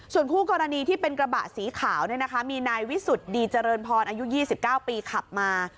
ส่วนคู่กรณีที่เป็นกระบะสีขาวมีนายวิสุทธิ์ดีเจริญพรอายุ๒๙ปีขับมา